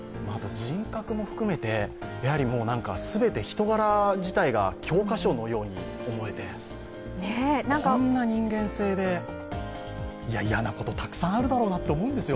人格も含めて、全て人柄自体が教科書のように思えて、こんな人間性で、嫌なことたくさんあるだろうなって、思うんですよ。